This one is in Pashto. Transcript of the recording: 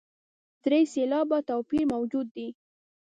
درې سېلابه توپیر موجود دی.